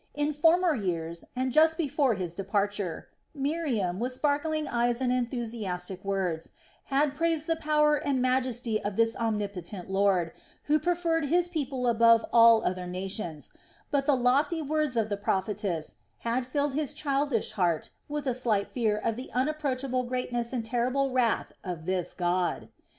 In former years, and just before his departure, Miriam, with sparkling eyes and enthusiastic words, had praised the power and majesty of this omnipotent Lord, who preferred his people above all other nations; but the lofty words of the prophetess had filled his childish heart with a slight fear of the unapproachable greatness and terrible wrath of this God.